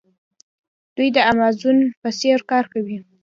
دوی د امازون په څیر کار کوي.